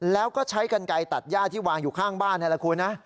แล้วก็ใช้กันไกลตัดย่าที่วางอยู่ข้างบ้านนี่แหละคุณนะ